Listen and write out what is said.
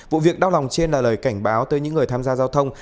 vụ việc đau lòng trên là lời cảnh báo tới những người tham gia giao thông